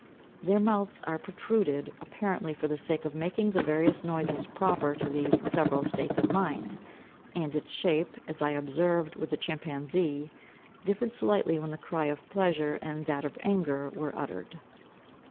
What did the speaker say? Their mouths are protruded apparently for the sake of making the various noises proper to these several states of mind; and its shape, as I observed with the chimpanzee, differed slightly when the cry of pleasure and that of anger were uttered.